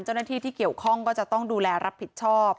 เจ้าหน้าที่ที่เกี่ยวข้องก็จะต้องดูแลรับผิดชอบ